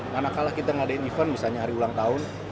mana kalah kita ngadain event misalnya hari ulang tahun